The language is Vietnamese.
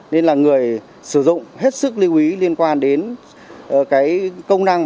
nên là người sử dụng hết sức lưu ý liên quan đến cái công năng